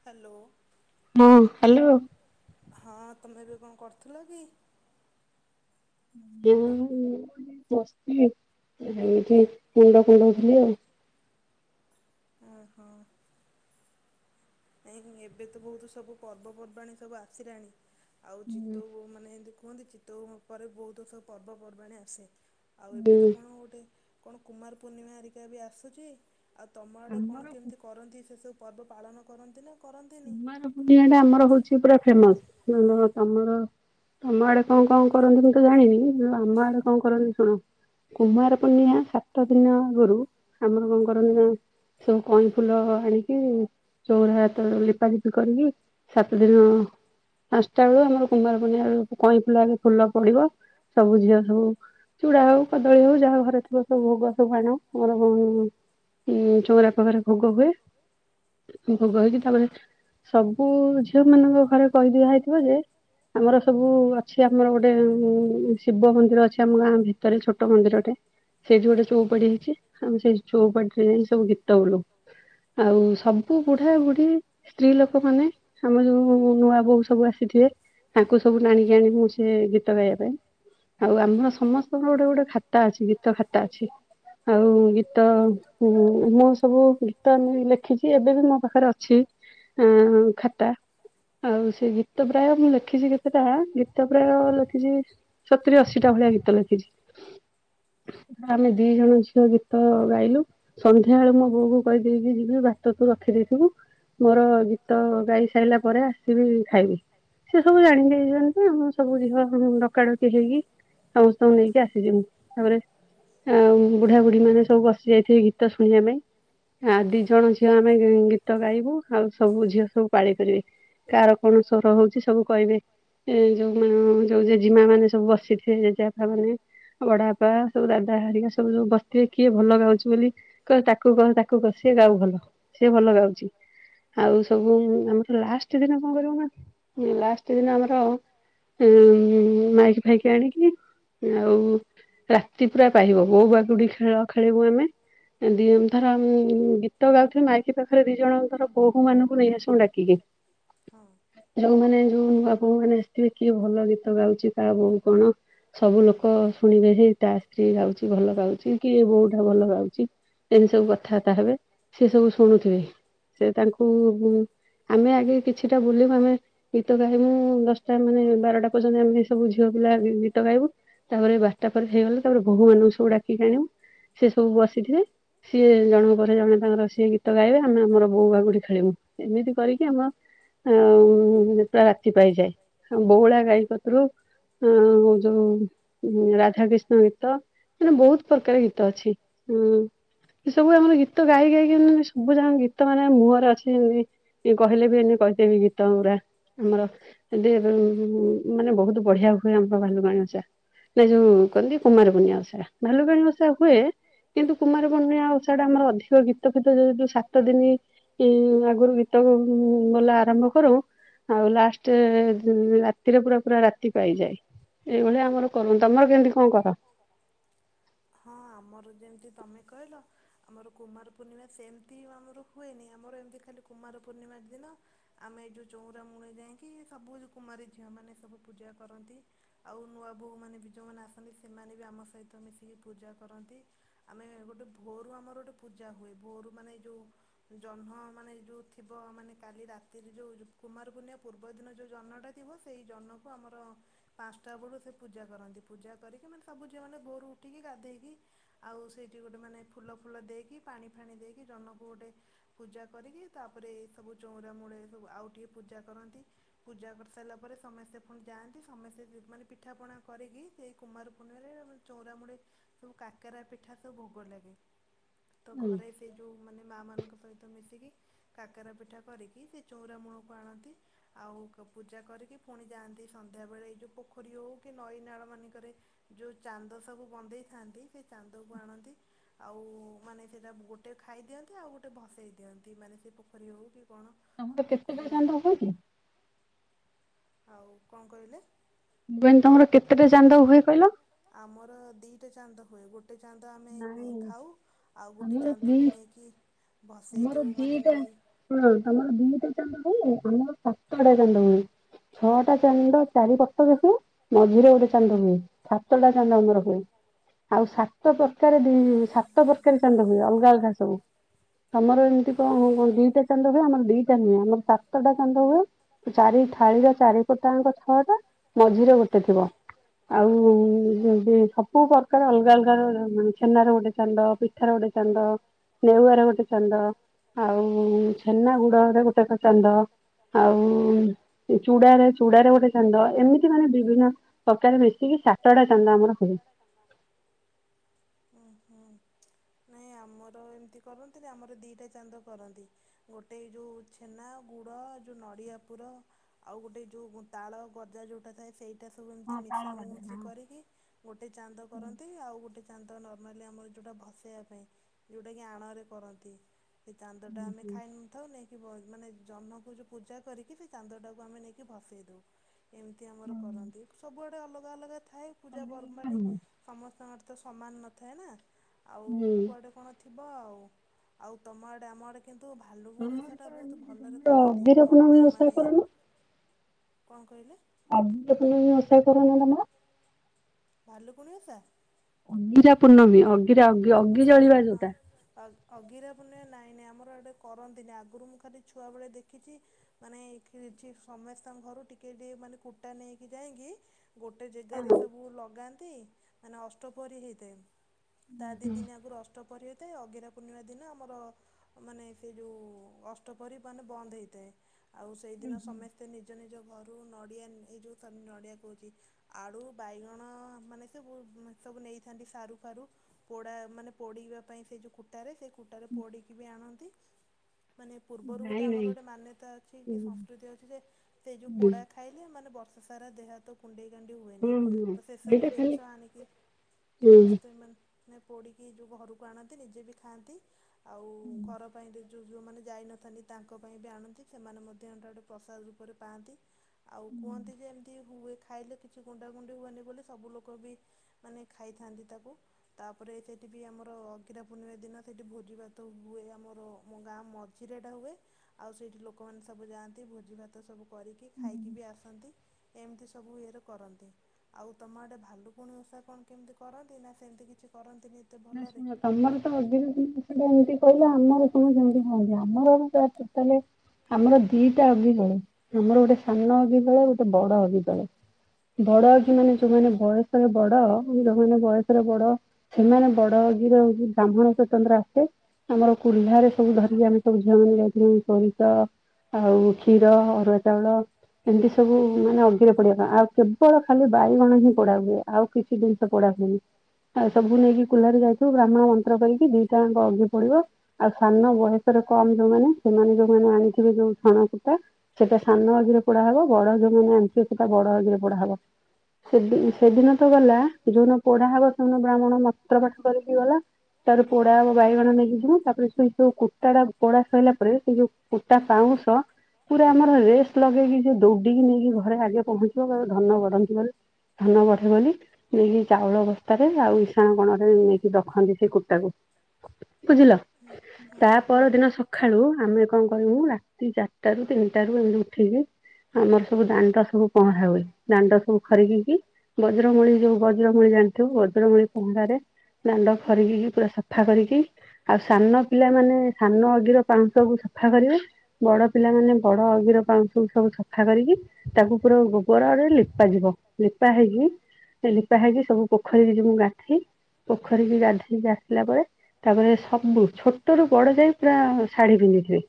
Hello. ହଁ hello ହଁ ତମେ ଏବେ କଣ କରଥିଲ କି? ମୁଁ ବସିଛି ଏମିତି ମୁଣ୍ଡ କୁଣ୍ଡଉଥିଲି ଆଉ ଓହୋ ଏ ଏବେ ତ ବହୁତ ସବୁ ପର୍ବପର୍ବାଣିୀ ସବୁ ଆସିଲାଣି ଆଉ ଚିତୋଉ ମାନେ ଏମିତି- କୁହନ୍ତି ଚିତୋଉ ପରେ ବହୁତ ସବୁ ପର୍ବପର୍ବାଣୀ ଆସେ। ଆଉ ଏବେ ତ କଣ ଗୋଟେ କଣ କୁମାର ପୂର୍ଣ୍ଣିମା ଏରିକା ବି ଆସୁଛି ଆଉ ତମ ଆଡ଼େ କଣ କେମିତି କରନ୍ତି ସେ ସବୁ ପର୍ବ ପାଳନ କରନ୍ତି ନା କୁମାର ପୁଣିଆ ଟା ଆମର ହଉଛି ପୁରା ଫେମସ। ନଲେ ତମର ତମ ଆଡେ କଣ କଣ କରନ୍ତି ମୁଁ ତ ଜାଣିନି ଆମ ଆଡେ କଣ କରନ୍ତି ଶୁଣ କୁମାର ପୂର୍ଣ୍ଣିମା ସାତ ଦିନ ଆଗରୁ ଆମର କଣ କରନ୍ତି ନା ସବୁ କଇଁ ଫୁଲ ଆଣିକି ଚଉରା ଲିପାଲିପି କରିକି ସାତ ଦିନ ପାଞ୍ଚଟା ବେଳୁ ଆମର କୁମାର ପୂର୍ଣ୍ଣିମା କଇଁ ଫୁଲାରେ ଫୁଲ ପଡିବ ସବୁ ଝିଅ ସବୁ ଚୁଡା ହଉ କଦଳୀ ହଉ ଯାହା ଘରେ ଥିବ ସବୁ ଭୋଗ ସବୁ ଆଣ ମୋର ଚଉରା ପାଖରେ ଭୋଗ ହୁଏ ଭୋଗ ହେଇକି [unintelligible] ସବୁ ଝିଅ ମାନଙ୍କ ଘରେ କହିଦିଆ ହେଇଥିବ ଯେ ଆମର ସବୁ ଅଛି ଆମର ଗୋଟେ ଶିବ ମନ୍ଦିର ଅଛି ଆମ ଗାଁ ଭିତରେ ଛୋଟ ମନ୍ଦିରଟେ ସେଇଠି ଗୋଟେ ଚଉପାଡି ହେଇଛି ଆମେ ସେଇ ଚଉପାଡିରେ ଯାଇ ସବୁ ଗୀତ ବୋଲଉ ଆଉ ସବୁ ବୁଢା ବୁଢୀ ସ୍ତ୍ରୀ ଲୋକ ମାନେ ଆମ ଯୋଉ ନୂଆ ବୋହୁ ସବୁ ଆସିଥିବେ ତାଙ୍କୁ ସବୁ ଟାଣିକି ଆଣିବୁ ସେ ଗୀତ ଗାଇବା ପାଇଁ ଆଉ ଆମର ସମସ୍ତଙ୍କ ଗୋଟେ ଗୋଟେ ଖାତା ଅଛି ଗୀତ ଖାତା ଅଛି ଆଉ ଗୀତ ମୁଁ ସବୁ ଗୀତ ଆମ ଲେଖିଛି ଏବେ ବି ମୋ ପାଖରେ ଅଛି ହଁ ଖାତା ଆଉ ସେ ଗୀତ ପ୍ରାୟ ମୁଁ ଲେଖିଛି କେତେଟା ଗୀତ ପ୍ରାୟ ଲେଖିଛି ସତୁରି ଅଶିଟା ଭଳିଆ ଗୀତ ଲେଖିଛି ଆମେ ଦି ଜଣ ଝିଅ ଗୀତ ଗାଇଲୁ ସନ୍ଧ୍ୟା ବେଳୁ ମୋ ବୋଉ କୁ କହିଦେଇକି ଯିବି ଭାତ ତୁ ରଖିଦେଇଥିବୁ ମୋର ତ ଗାଈ ସାଇଲା ପରେ ଆସିବି ଖାଇବି ସେି ସବୁ ଜାଣିକି ହେଇଯିବ ତ ଆମେ ସବୁ ଝିଅ ଡକାଡକି ହେଇକି ସମସ୍ତଙ୍କୁ ନେଇକି ଆସିଯିବୁ ତାପରେ ଆ ବୁଢା ବୁଢୀ ମାନେ ସବୁ ବ ଯାଇଥିବି ଗୀତ ଶୁଣିବା ପାଇଁ ଆ ଦି ଜଣ ଝିଅ ଆମେ ଗୀତ ଗାଇବୁ। ଆଉ ସବୁ ଝିଅ ସବୁ ପାଳି କରିବେ କାହାର କଣ ସ୍ୱର ହଉଛି ସବୁ କହିବେ ଏ ଯୋଉମାନେ ଯୋଉ ଜେଜୀମା ମାନେ ସବୁ ବସିଥିବେ ଜେଜେପା ମାନେ ବଡପା ସବୁ ଦାଦା ହରିକା ସବୁ ସବୁ ବସିଥିବେ କିଏ ଭଲ ଗାଉଛି ବୋଲି କିଲ ତାକୁ କହ ତାକୁ କହ ସିଏ ଗାଉ ଭଲ ସିଏ ଭଲ ଗାଉଛି ସବୁ ଆମ ଲାଷ୍ଟ ଦିନ କଣ କରିବୁ ମ ଲାଷ୍ଟ ଦିନ ଆମର ଉ ମାଇକି ଫାଇକି ଆଣିକି ଆଉ ରାତି ପୁରା ପାଇବ ବୋଉ ବାଗୁଡି ଖେଳ ଖେଳିବୁ ଆମେ ଦ ଧର ଗୀତ ଗାଉଥିବ ମାଇକି ପାଖରେ ଦି ଜଣ ତର [unintelligible] ଯଉମାନେନ ଯଉ ବାବୁ ମାନେ ଆସିଥିବେ କିଏ ଭଲ ଗୀତ ଗାଉଛି ତା ବୋହୂ କଣ ସବୁ ଲୋକ ଶୁଣିବେ ଯେ ତା ସ୍ତ୍ରୀ ଗାଉଛି ଭଲ ଗାଉଛି କିଏ ବୋହୂ ଟା ଭଲ ଗାଉଛି ଏମି ସବୁ କଥାବାର୍ତ୍ତା ହେବେ ସେି ସବୁ ଶୁଣୁଥିବେ। ସେ ତାଙ୍କୁ ଆମେ ଆଗେ କିଛିଟା ବୁଲିବୁ ଆମେ ଗୀତ ଗାଇବୁ ଦଶଟା ମାନେ ବାରଟା ପର୍ଯ୍ୟନ୍ତ ଆମେ ସବୁ ଝିଅ ପିଲା ଗୀତ ଗାଇବୁ ତାପରେ ବାରଟା ପରେ ହେଇଗଲେ ତାପରେ ବୋୂ ମାନଙ୍କୁ ସବୁ ଡାକିକି ଆଣିବୁ ସି ସବୁ ବସିଥିବେ ସିଏ ଜଣଙ୍କ ପରେ ଜଣେ ତାଙ୍କର ସିଏ ଗୀତ ଗାଇବେ ଆମେ ଆମର ବଉ ବାଗୁଠ ଖେଳିବୁ ଏମିତି କରିକି ଆମ ଆ ପୁରା ରାତି ପାଇଯାଏ ଆ ବଉଳା ଗାଈ କତିରୁ ଆ ଯୋଉ ରାଧା ଧାକୃଷ୍ଣ ଗୀତ ମାନେ ବହୁତ ପ୍ରକାର ଗୀତ ଅଛି ହଁ ଏ ସବୁ ଆମର ଗୀତ ଗାଇ ଗାଇକି ମ ସବୁ ଯାକ ଗୀତ ତ ମାନେ ମୁହଁରେ ଅଛି ଏମିତି କହିଲେ ବି ଏମି କହିଦେବି ଗୀତ ଉରା ଆମର ଏ ମାନେ ବହୁତ ବଢିଆ ହୁଏ ଆମର ଭାଲୁବାଣୀଛା ନା ଯୋଉ ନ୍ତି କୁମାର ପୂର୍ଣ୍ଣିମା ଓଷା ଭାଲୁବାଣୀ ଓଷା ହୁଏ କିନ୍ତୁ କୁମାର ପୂର୍ଣ୍ଣିମା ଓଷା ଟା ଆମର ଅଧିକ ଗୀତ ଫିତ ଯଉ ଗତ ଦିନ ଆଗରୁ ଗୀତ ବୋଲା ଆରମ୍ଭ କରୁ ଆଉ ଲାଷ୍ଟ ରାତିରେ ପୁରା ପୁରା ରାତି ପାଇଯାଏ ଏଇଭଳିଆ ଆମର କରୁ ତମ ହଁ ଆମର ଯେମିତି ତମେ କହିଲ ଆମର କୁମାର ପୂର୍ଣ୍ଣିମା ସେମିତି ଆମର ହୁଏନି ଆମର ଏମିତି ଖାଲି କୁମାର ପୂର୍ଣ୍ଣିମା ଦିନ ଆମେ ଏ ଯେଉଁ ଚଉରା ମୁୁଣି ଯାଇକି ସବୁ କୁମାରୀ ଝିଅମାନେ ସବୁ ପୂଜା କରନ୍ତି ଆଉ ନୂଆ ବୋଉ ମାନେ ବି ଯେଉଁମାନେ ଆସନ୍ତି ସେମାନେ ବି ଆମ ସହିତ ମିଶିକି ପୂଜା କରନ୍ତି ଆମେ ଗୋଟେ ଭୋରୁ ଆମର ଗୋଟେ ପୂଜା ହୁଏ ଭୋରୁ ମାନେ ଯେଉଁ ଜହ୍ନ ମାନେ ଯେଉଁ ଥିବ ମାନେ କାଲି ରାତିରେ ଯେଉଁ କୁମାରପୂର୍ଣ୍ଣିମା ପୂର୍ବଦିନ ଯେଉଁ ଜହ୍ନଟା ଥିବ ସେଇ ଜହ୍ନକୁ ଆମର ପାଞ୍ଚଟା ବେଳୁ ସେ ପୂଜା କରନ୍ତି। ପୂଜା କରିକି ମାନେ ସବୁ ଝିଅମାନୋନେ ଭୋରୁ ଉଠିକି ଗାଧେଇକି ଆଉ ସେଇଠି ଗୋଟେ ମାନେ ଫୁଲ ଫୁଲ ଦେଇକି ପାଣି ଫାଣି ଦେଇକି ଜନକୁ ଗୋଟେ ପୂଜା କରିକି ତାପରେ ସବୁ ଚଉରା ମୂଳେ ସବୁ ଆଉ ଟିକିେ ପୂଜା କରନ୍ତି ପୂଜା କରି ସାରିଲା ପରେ ସମସ୍ତେ ପୁଣି ଯାଆନ୍ତି ସମସ୍ତେ ମାନେ ପିଠାପଣା କରିକି ସେଇ କୁମାର ପୂର୍ଣ୍ଣିମାରେ ଚଉରାମୁଳି ସବୁ କାକରା ପିଠା ସବୁ ଭୋଗ ଲାଗେ ତ ଘରେ ସେ ଯୋଉ ମାନେ ମା ମାନଙ୍କ ସହିତ ମିଶିକି କାକରା ପିଠା କରିକି ସେ ଚଉରାମୂଳକୁ ଆଣନ୍ତି ଆଉ ପୂଜା କରିକି ପୁଣି ଯାଆନ୍ତି ସନ୍ଧ୍ୟାବେଳେ ଏଇ ଯଉ ପୋଖରୀ ହଉ କି ନଈନାଳ ମ ରେ ଯୋଉ ଚାନ୍ଦ ସବୁ ବନ୍ଦେଇଥାନ୍ତି ସେ ଚାନ୍ଦକୁ ଆଣନ୍ତି ଆଉ ମାନେ ସେଇଟା ଗୋଟେ ଖାଇ ଦିଅନ୍ତି ଆଉ ଗୋଟେ ଭସେଇ ଦିଅନ୍ତି ମାନେ ସେ ପୋଖରୀ ହଉ [unintelligible] ଆଉ କଣ କହିଲେ? ତମର କେତେଟା। ଆମର ଦିଟା ଚାନ୍ଦ। ହଟ ଗୋଟେ ଚାନ୍ଦ ଆମେ ଖାଉ ଆଉ ଗୋଟେ ଚାନ୍ଦକୁ ନେଇକି ଭସେଇ ଦେଉ ମାନେ ନଈ ଚା ହୁଏ ଆମର ସାତଟା ଚାନ୍ଦ ହୁଏ ଛଅଟା ଚାଣ୍ଡ ଚାରିପଟକ ହୁଏ ମଝିରେ ଗୋଟେ ଚାନ୍ଦ ହୁଏ ସାତଟା ଚାଣ୍ଡ ଆମର ହୁଏ ଆଉ ସାତ ସାତ ପ୍ରକାର ଦି ସାତ ପ୍ରକାର ଚାନ୍ଦ ହୁଏ ଅଲଗା ଅଲଗା ସବୁ ତମର ଏମିତି କ ଦିଟା ଚାନ୍ଦ ହୁଏ ଆମର ଦିଟା ହୁଏ ଆମର ସାତ ସତଟା କାନ୍ଦ ହୁଏ ଚାରି ଥାଳିର ଚାରି କୋଟାଙ୍କ ଛଅ ଟା ମଝିରେ ଗୋଟେ ଥିବ ଆଉ ସବୁ ପ୍ରକାର ଅଲଗା ଅଲଗା ଛେନା ର ଗୋଟେ ଚାନ୍ଦ ପିଠ ର ଗୋଟେ ଚାନ୍ଦ ନେଉଆ ର ଗୋଟେ ଚାନ୍ଦ ଆଉ ଛେନା ଗୁଡରେ ଗୋଟେ ଚାନ୍ଦ। ଆଉ ଚୁଡ଼ାରେ ଚୁଡାରେ ଗୋଟେ ଚାନ୍ଦ ଏମିତି ମାନେ ବିଭିନ୍ନ ପ୍ରକାର ମିଶିକି ସାତଟା ଚାନ୍ଦ ଆମର ହୁଏ। ହୁଁ ନାଇଁ ଆମର ଏମିତି କରନ୍ତି ନା ଆମର ଦିଟା ଚାନ୍ଦ କରନ୍ତି ଗୋଟେ ଯୋଉ ଛେନା କୁଡ଼ ଯୋଉ ନଡ଼ିଆ ପୁର ଆଉ ଗୋଟେ ଯୋଉ ତାଳ ଗଜା ଯୋଉଟା ଥାଏ ସେଇ ଏଇଟା ସବୁ ଏମିତି ମିଶା ମ କରିକି ଗୋଟେ ଚାନ୍ଦ କରନ୍ତି ଆଉ ଗୋଟେ ଚାନ୍ଦ ନ ନମାଲି ଆମର ଯେଉଁଟା ବସେଇବା ପାଇଁ ଯେଉଁଟାକି ଆଣରେ କରନ୍ତି। ସେଇ ଚାନ୍ଦ ଟା ଆମେ ଖାଇ ନଥାଉ ନେଇାଇକି ମାନେ ଜହ୍ନକୁ ଯୋଉ ପୂଜା କରିକି ସେ ଚାାନ୍ଦ ଟାକୁ ଆମେ ନେଇକି ଭସେଇ ଦଉ ଏମିତି ଆମର କରନ୍ତି ସବୁଆଡେ ଅଲଗା ଅଲଗା ଥାଏ ପୂଜା ପର୍ବାଣି ସମସ୍ତଙ୍କର ତ ସମାନ ନଥାଏ ନା ଆଉ କୁଆଡେ କଣ ଥ ହ ଆଉ ଆଉ ତମର ଆଡେ ଆମେ କିନ୍ତୁ ଭାଲୁ ଭୁଣି ସେଇଟା ବହୁତ ତମର ଆଘିରା ପୂର୍ଣ୍ଣିମା ଓଷା କରୁନ। କଣ କହିଲେ? ଆ ତ ତମେ ବ୍ୟବସାୟ [unintelligible] ଭଲୁକୁଣି ଓଷା [unintelligible] ସରି ହଁ ଅଗିରା ପୁଣି ନାଇଁ ନାଇଁ ଆମର ଗଟେ କରନ୍ତିନି ଆଗରୁ ମୁଁ ଖାଲି ଛୁଆବେଳେ ଦେଖିଛି ମାନେ କିଛି ସମସ୍ତଙ୍କ ଘରୁ ଟିକେ ଟିକେ ମାନେ କୁଟା ନେଇକି ଯାଇକି ଗୋଟେ ଜାଗାରେ ସବୁ ଲଗାନ୍ ମାନେ ଅଷ୍ଟପ୍ରହରୀ ହେଇଥାଏ ତା ଦିଇ ଦିନ ଆଗରୁ ଅଷ୍ଟପହରୀ ହେଥାଏ ଅଗିରା ପୂର୍ଣ୍ଣିମା ଦିନ ଆମର ମାନେ ସେ ଯେଉଁ ଅଷ୍ଟପହରୀ ମାନେ ବନ୍ଦ ହେଇଥାଏ ଆଉ ସେଇଦିନ ସମସ୍ତେ ନିଜ ନିଜ ଘରୁ ନଡ଼ିଆ ଏ ଯେଉଁ ନଡ଼ିଆ କହୁଛି ଆଳୁ ବାଇଗଣ ମାନେ ସବୁ ସବୁ ନେଇଥାନ୍ତି ସାରୁ ଫାରୁ ପୋଡା ମାନେ ପୋଡେଇିବା ପାଇଁ ସେ ଯୋଉ କୁଟାରେ ସେ କୁଟାରେ ପୋଡିକି ବି ଆଣନ୍ତି। ମାନେ ପୂର୍ବରୁ ଗୋଟେ ଆମର ଗୋଟେ ମାନ୍ୟତା ଅଛି କି ସଂସ୍କୃତି ଅଛି ଯେ ସେ ଯେଉ ପୋଡ଼ା ଖାଇଲେ ମାନେ ବର୍ଷା। ସାରା ଦେହାହାତ କୁଣ୍ଡେଇ ଡି ହୁଏନି ତ ସେ ସବୁ ଜିନିଷ ଆଣିକି ସମସ୍ତେ ମ ମାନେ ପୋଡିକି ଯୋଉ ଘରକୁ ଆଣନ୍ତି ନିଜେ ବି ଖାଆନ୍ତି। ଆଉ ଘର ପାଇଁ ଟ। ଯେଉଁ ଝିଅମାନେ ଯାଇନଥାନ୍ତି ତାଙ୍କ ପାଇଁ ବି ଆଣନ୍ତି ସେମାନେ ମଧ୍ୟ ଏଟା ଗୋଟେ ପ୍ରସାଦ ରୂପରେ ପାଆନ୍ତି। ଆଉ କୁହନ୍ତି ଯେ ଏମିତି ହୁଏ। ଖାଇଲେ କିଛି କୁଣ୍ଡାକୁଣ୍ଡି ହୁଏନି ବୋଲି ସବୁ ଲୋକ ବି ମାନେ ଖାଇଥାନ୍ତି ତାକୁ ତାପରେ ସେଇଠି ବି ଆମର ଅଗିରା ପୂର୍ଣ୍ଣିମା ଦିନ ସେଇଠି ଭୋଜି ଭାତ ହୁଏ ଆମର ମୋ ଗାଁ ମଝିରେ ଏଟା ହୁଏ ଆଉ ସେଇଠି ଲୋକମାନେ ସବୁ ଯାଆନ୍ତି ଭୋଜି ଭାତ ସବୁ କରିକି ଖାଇକି ବି ଆସନ୍ତି ଏମିତି ସବୁ ଇଏରେ କରନ୍ତି ଆଉ ତୁମ ଗଟେ ଭାଲୁକୁଣି ଓଷା କଣ କେମିତି କରନ୍ତି ନା ସେମିତି କି? ଛି କରନ୍ତି ନା ଶୁଣ ତମର ତ ଅଧି [unintelligible] କହିଲା ଆମର କଣ ସେମିତି ହଆନ୍ତି ଆମରୋଟା ଆମର ଦିଟା ଅଗିଗଳେ ଆମର ଗୋଟେ ସାନ ଅଗିଜଳେ ଗୋଟେ ବଡ ଅଗି ତଳେ ବଡ ଅଗି ମାନେ ଯୋଉମାନେ ବୟସରେ ବଡ ଯୋଉମାନେ ବୟସରେ ବଡ ସେମାନେ ବଡଅଗିରା ହଉଛି ବ୍ରାହ୍ମଣ ସ୍ୱତନ୍ତ୍ର ଆସେ ଆମର କୁଲଲରେ ସବୁ ଧରିକି ଆମେ ସବୁ ଝିଅମାନୋନେ ଯାଇୁ ସୋରିଷ ଆଉ କ୍ଷୀର ଅରୁଆ ଚାଉଳ ଏମିତି ସବୁ ମାନେ ଅଗିରେ ପଡିିବା ପାଇଁ ଆଉ କେବଳ ଖାଲି ବାଇଗଣ ହିଁ ପୋଡା ହୁଏ ଆଉ କିଛି ଜିନିଷ ପୋଡା ହୁଏନି ଆଉ ସବୁ ନେଇକି ଯାଇଛୁ ବ୍ରାହ୍ମଣ ଯନ୍ତ୍ର କରିକି ଦିଟାଙ୍କ ଅଗି ପଡିବ ଆଉ ସାନ ବୟସରେ କମ ଯୋଉମାନେ ସେମାନେ ଯୋଉମାନେ ଆଣିଥିବେ ଯୋଉ ଛଣ କୁଟା ସେଟା ସାନ ଅଗିରେ ପୋଡା ହବ ବଡ ଯୋଉମାନେ ଆଣିଥିବେ ସେଟା ବଡ ଅଗିରେ ପୋଡା ହବ ସେ ସେଦିନ ତ ଗଲା ଯୋଉମାନେ ପୋଢା ହବ ସେଦ ବ୍ରାହ୍ମଣ ମ କରିକି ଗଲା। ତାର ପୋଡା ଆ ବାଇଗଣ ନେଇକି ଯିବୁ ତାପରେ ସେଇ ଯୋଉ କୁଟା ଟା ପୋଡା ସରିଲା ପରେ, ସେ ଯୋଉ କୁଟା ପାଉଁଶ ପୁରା ଆମର ରେଷ୍ଟ ଲଗେଇକି ସେ ଦୌଡିକି ନେଇକି ଘରେ ଆଗେ ପହଞ୍ଚିବ। ଧନ ବଢନ୍ତି ବୋଲି ଧନ ବଢେ ବୋଲି ନେଇକି ଚାଉଳ ବସ୍ତାରେ ଆଉ [unintelligible] ରଖନ୍ତି ସେଇ କୁଟାକୁ ବୁଝିଲ। ତା ପର ଦିନ ସକାଳୁ ଆମେ କଣ କହିବୁ ରାତି ଚାରିଟା ରୁ ତିନିଟା ରୁ ଏମିତି ଉଠିକି ଆମର ସବୁ ଦାଣ୍ଡ ସବୁ କଣ ହୁଏ ଦାଣ୍ଡ ସବୁ ଖରିକିିକି ବଜ୍ରମୂଳି ଯୋଉ ବଜ୍ରମୂଳି ଜାଣିଥିବ ବଜ୍ରମୂଳି ରେ ଦାଣ୍ଡ ଖରିକି ପୁରା ସଫା କରିକି, ଆଉ ସାନ ପିଲା ମାନ ସାନ ଅଗିର ପାଉଁଶ କୁ ସଫା କରିବେ, ବଡ ପିଲା ମାନେ ବଡ ଅଗିର ପାଉଁଶକୁ ସବୁ ସଫା କରିକି ତାକୁ ପୁରା ପର ଆଡେ ଲିପା ଯିବ। ଲିପା ହେଇକି ଲିପା ହେଇକି ସବୁ ପୋଖରୀ ଯି ଖାଲି ପୋଖରୀକି ଗାଧେଇକି ଆସିଲା ପରେ ତାପରେ ସବୁ ଛୋଟରୁୁ ବଡ ଯାଏଁ ପୁରା ଶାଢୀ ପିନ୍ଧିଥିବେ।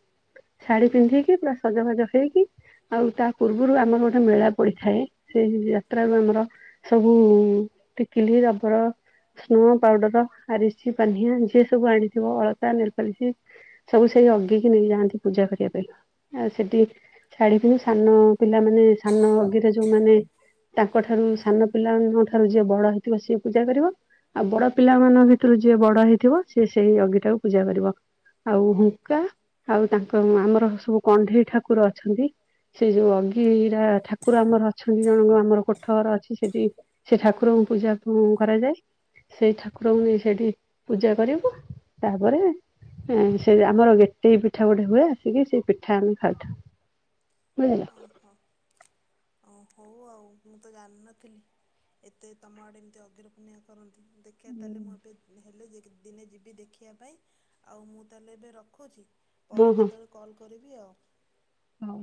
ଶାଢୀ ପିନ୍ଧିକି ପୁରା ସଜବାଜ ହେଇକି ଆଉ ତା ପୂର୍ବରୁ ଆମର ଗୋଟେ ମେଳା ପଡିଥାଏ ସେଇ ଯାତ୍ରାରୁ ଆମର ସବୁ ଟିକିଲି, ରବର ସ୍ନୋ, ପାଉଡର, ଆରିସି, ପାନିଆ ଯିଏ ସବୁ ଆଣିଥିବ ଅଳତା, ନେଲପଲିଶ ସବୁ ସେଇ ଅଗେଇକି ନେଇକି ଯାଆନ୍ତି ପୂଜା କରିବା ପାଇଁ। ଆଉ ସେଠି ଶାଢୀ ପିନ୍ଧି ସାନ ପିଲାମାନେ ସାନ ଅଗିରେ ଯୋଉମାନେ ତାଙ୍କ ଠାରୁ ସାନ ପିଲାମାନଙ୍କ ଠାରୁ ଯିଏ ବଡ ହେଇଥିବ ସିଏ ପୂଜା ଆଉ ବଡପିଲା ମାନଙ୍କ ଭିତରୁ ଯିଏ ବଡ ହେଇଥିବ ସେ ସେଇ ଅଗିଟାକୁ ପୂଜା କରିବ। ଆଉ ହୁଙ୍କା ଆଉ ତାଙ୍କ ଆମର ସବୁ କଣ୍ଢେଇ ଠାକୁର ଅଛନ୍ତି। ସେ ଯୋଉ ଅଗିଟା ଠାକୁ କୁର ଆମର ଅଛନ୍ତି ଜଣଙ୍କ ଆମର କୋଠ ଘର ଅଛି। ସେଠି ସେ ଠାକୁରଙ୍କୁ ପୂଜାକୁ କରାଯାଏ। ସେଇ ଠାକୁରଙ୍କୁ ନେଇ ସେଇଠି ପୂଜା କରିବୁ। ତାପରେ ସେ ଆମର ଗେଟେଇ ପିଠା ଗୋଟେ ହୁଏ। ଆସିକି ସେଇ ପିଠା ଆମେ ଖାଉଥାଉ। ବୁଝିଲ? ହଉ ଆଉ ମୁଁ ତ ଜାଣିନଥିଲି। ଏତେ ତମ ଆଡ଼େ ଏମିତି ଅଗୀର ପୂର୍ଣେଇ କରନ୍ତି। ଦେଖିବା ତାହେଲେ ମୁଁ ଏବେ ହେଲେ ଯି ଦିନେ ଯିବି ଦେଖିବା ପାଇଁ ଆଉ ମୁଁ ତାହେଲେ ଏବେ ରଖୁଛି। ପରେ ଯେତେବେଳେ କଲ୍ କରି ଦିଅ। ହଉ।